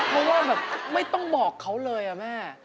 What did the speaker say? เพราะว่าแบบไม่ต้องบอกเขาเลยอะแม่